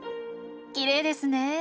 きれいですね。